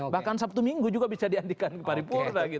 bahkan sabtu minggu juga bisa diandikan paripurna